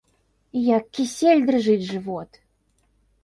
Як кісель, дрыжыць жывот!